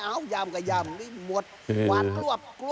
เอ้าย่ำกระยำหมวดเวาะตรวบ